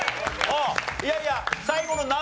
いやいや最後の難問